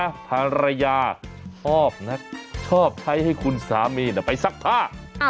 หนึ่งเรื่องนะภรรยาชอบนะชอบใช้ให้คุณสามีไปซักผ้า